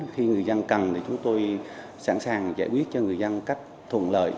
khi người dân cần thì chúng tôi sẵn sàng giải quyết cho người dân cách thuận lợi